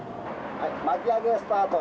「はい巻き上げスタート」。